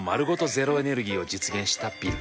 ゼロエネルギーを実現したビル。